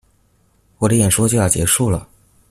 我的演說就要結束了